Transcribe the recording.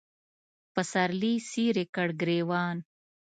سپرلي څیرې کړ ګرېوان